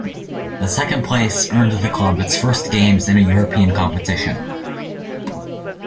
The second place earned the club its first games in a European competition.